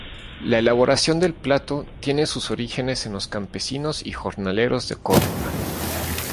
La elaboración del plato tiene sus orígenes en los campesinos y jornaleros de Córdoba.